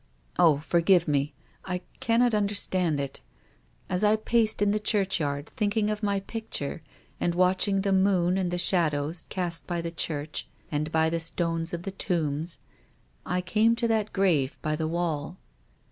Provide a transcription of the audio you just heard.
" Oh, forgive me. I cannot understand it. As I paced in the churchyard, thinking of my picture, and watching the moon and the shadows cast by THE GRAVE. 91 the church and by the stones of the tombs, I came to that grave by the wall."